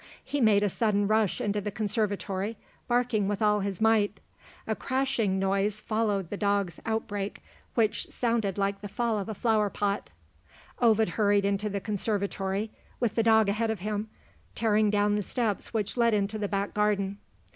He made a sudden rush into the conservatory, barking with all his might. A crashing noise followed the dog's outbreak, which sounded like the fall of a flower pot. Ovid hurried into the conservatory with the dog ahead of him, tearing down the steps which led into the back garden.